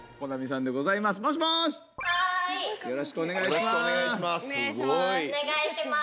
よろしくお願いします。